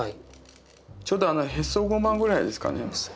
ちょうどへそごまぐらいですかね？